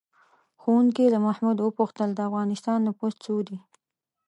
ښوونکي له محمود وپوښتل: د افغانستان نفوس څو دی؟